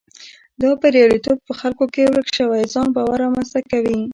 دا بریالیتوب په خلکو کې ورک شوی ځان باور رامنځته کوي.